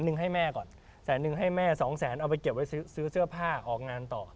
๑๐๐๐๐๐หนึ่งให้แม่ก่อน๑๐๐๐๐๐หนึ่งให้แม่๒๐๐๐๐๐เอาไปเก็บไว้ซื้อเสื้อผ้าออกงานต่อ